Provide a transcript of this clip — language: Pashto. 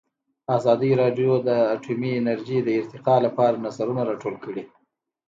ازادي راډیو د اټومي انرژي د ارتقا لپاره نظرونه راټول کړي.